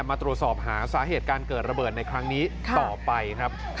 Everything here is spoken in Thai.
มาตรวจสอบหาสาเหตุการเกิดระเบิดในครั้งนี้ต่อไปครับ